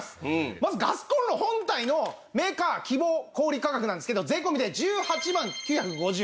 まずガスコンロ本体のメーカー希望小売価格なんですけど税込で１８万９５０円します。